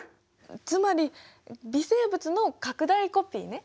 つまり微生物の拡大コピーね。